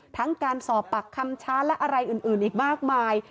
การสอบปากคำช้าและอะไรอื่นอีกมากมาย